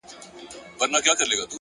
هره لحظه د پرمختګ نوی امکان لري!